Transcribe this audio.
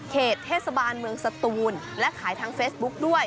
เหตุเทศบาลเมืองสตูนและขายทางเฟซบุ๊กด้วย